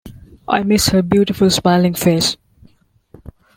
I miss her beautiful smiling face.